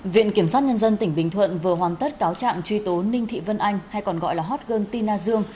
viện kiểm soát nhân dân tỉnh bình thuận vừa hoàn tất cáo trạng truy tố ninh thị vân anh hay còn gọi là hot girl tina dương